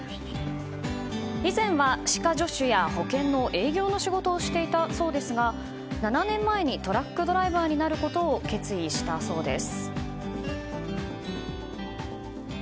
以前は歯科助手や保険の営業の仕事をしていたそうですが７年前にトラックドライバーになることを決意したそうです。